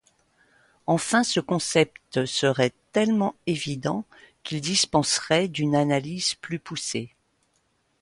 Enfin, ce concept serait tellement évident qu'il dispenserait une analyse plus poussée.